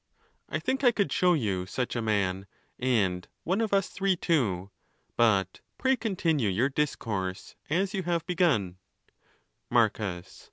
—I think I could show you such a man, and one of us three too; but pray continue your discourse, as you have begun, Marcus.